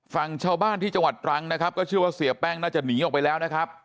ฝั่งชาวบ้านที่จังหวัดตรังนะครับก็เชื่อว่าเสียแป้งน่าจะหนีออกไปแล้วนะครับ